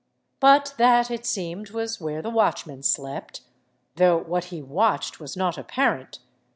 But that, it seemed, was where the watchman slept — though what he watched was not apparent.